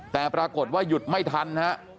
แต่ปรากฏว่าหยุดไม่ทันฮะ